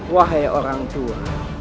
wahai orang tua